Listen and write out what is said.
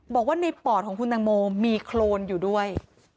บอกว่าในปอดของคุณตังโมมีโครนอยู่ด้วย